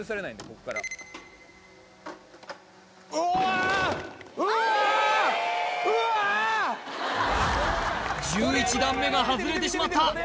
こっから１１段目が外れてしまった！